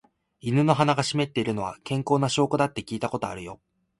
犬の鼻が湿っているのは、健康な証拠だって聞いたことあるよ。